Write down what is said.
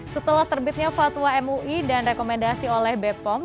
setelah terbitnya fatwa mui dan rekomendasi oleh bepom